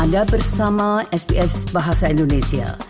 anda bersama sbs bahasa indonesia